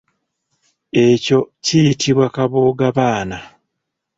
Ekyo kiyitibwa koboggabaana.